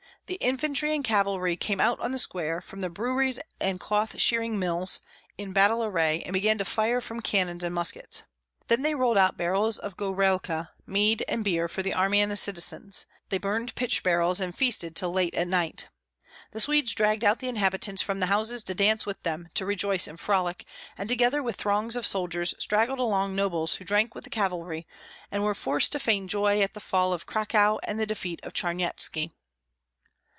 The infantry and cavalry came out on the square, from the breweries and cloth shearing mills, in battle array, and began to fire from cannons and muskets. Then they rolled out barrels of gorailka, mead, and beer for the army and the citizens; they burned pitch barrels and feasted till late at night. The Swedes dragged out the inhabitants from the houses to dance with them, to rejoice and frolic; and together with throngs of soldiers straggled along nobles who drank with the cavalry, and were forced to feign joy at the fall of Cracow and the defeat of Charnyetski.